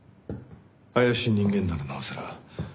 怪しい人間ならなおさら。